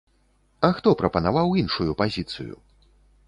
А хто прапанаваў іншую пазіцыю?